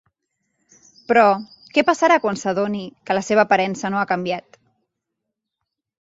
Però, què passarà quan s’adoni que la seva aparença no ha canviat?